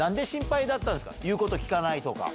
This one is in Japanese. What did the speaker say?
言うこと聞かないとか？